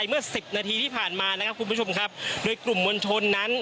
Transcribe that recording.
เชิญค่ะ